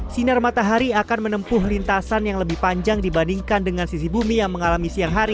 sinar matahari akan menempuh lintasan yang lebih panjang dibandingkan dengan sisi bumi yang mengalami siang hari